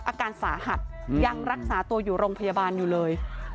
อาการสาหัสยังรักษาตัวอยู่โรงพยาบาลอยู่เลย